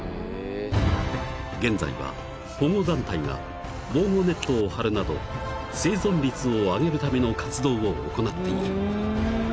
［現在は保護団体が防護ネットを張るなど生存率を上げるための活動を行っている］